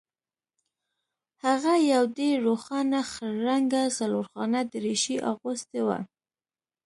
هغه یو ډیر روښانه خړ رنګه څلورخانه دریشي اغوستې وه